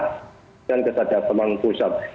dan ke satgas pangan pusat